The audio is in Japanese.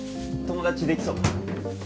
友達できそう？